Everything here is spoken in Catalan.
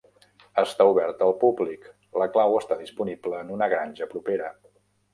Està obert al públic; la clau està disponible en una granja propera.